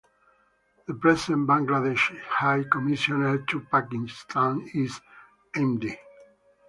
The present Bangladeshi High Commissioner to Pakistan is Md.